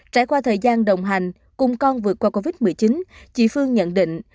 trải qua thời gian đồng hành cùng con vượt qua covid một mươi chín chị phương nhận định